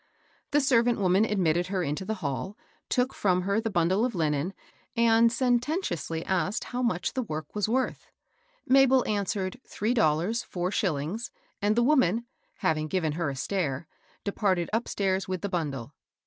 The servant woman admitted her into the hall, took from her the bundle of Unen, and senten tiously asked how much the work was worth. Mabel answered three dollars four shillings, and the woman, having g?ven her a stare, departed upstairs with the bundle.